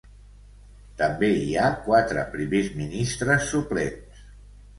També hi ha quatre primers ministres suplents.